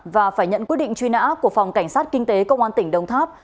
và phải nhận quyết định truy nã của phòng cảnh sát kinh tế công an tỉnh đồng tháp